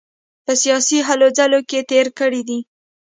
په سیاسي هلو ځلو کې تېر کړی دی.